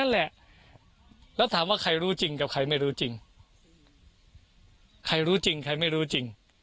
แหละแล้วถามว่าใครรู้จริงกับใครไม่รู้จริงใครรู้จริงใครไม่รู้จริง